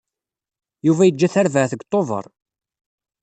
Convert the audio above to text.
Yuba yeǧǧa tarbaɛt deg Tubeṛ.